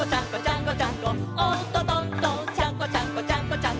「ちゃんこちゃんこちゃんこちゃん